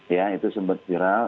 ya itu sempat viral